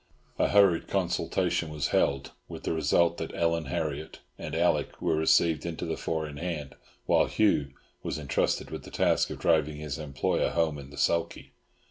A hurried consultation was held, with the result that Ellen Harriott and Alick were received into the four in hand, while Hugh was entrusted with the task of driving his employer home in the sulky.